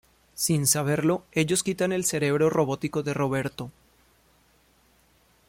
Sin saberlo ellos quitan la cerebro robótico de Roberto.